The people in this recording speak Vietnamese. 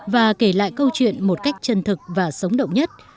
và kể lại câu chuyện một cách chân thực và sống động nhất